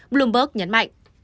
bloomberg nhấn mạnh